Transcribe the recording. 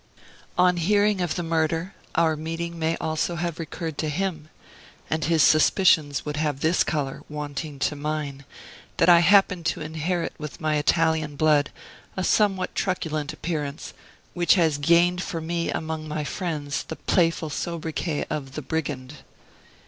On hearing of the murder, our meeting may also have recurred to him; and his suspicions would have this color, wanting to mine, that I happen to inherit with my Italian blood a somewhat truculent appearance, which has gained for me among my friends the playful sobriquet of "the brigand."